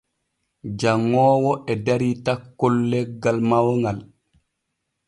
Janŋoowo e darii takkol leggal mawŋal.